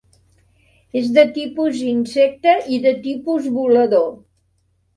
És de tipus insecte i de tipus volador.